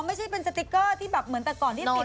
ไม่ใช่เป็นสติ๊กเกอร์ที่แบบเหมือนแต่ก่อนที่ติด